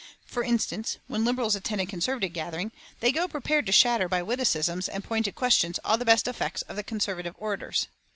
For instance, when Liberals attend a Conservative gathering they go prepared to shatter by witticisms and pointed questions all the best effects of the Conservative orators.